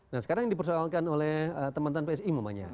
nah sekarang yang dipersoalkan oleh teman teman psi mamanya